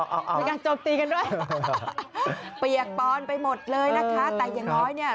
มีการโจมตีกันด้วยเปียกปอนไปหมดเลยนะคะแต่อย่างน้อยเนี่ย